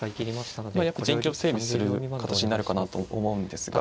陣形を整備する形になるかなと思うんですが。